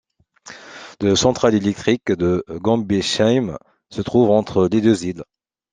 La centrale électrique de Gambsheim se trouve entre les deux îles.